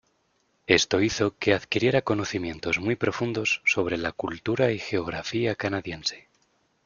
Esto hizo que adquiriera conocimientos muy profundos sobre la cultura y geografía canadiense.